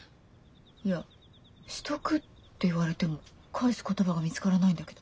いや「しとく？」って言われても返す言葉が見つからないんだけど。